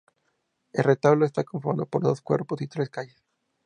El retablo está conformado por dos cuerpos y tres calles.